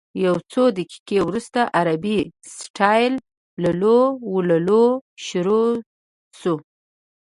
یو څو دقیقې وروسته عربي سټایل لللووللوو شروع شوه.